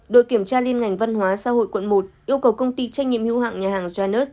đội kiểm tra liên ngành văn hóa xã hội quận một yêu cầu công ty trách nhiệm hữu hạng nhà hàng janes